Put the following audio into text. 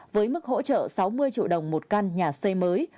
với mức hỗ trợ sáu mươi triệu đồng một căn nhà xây mới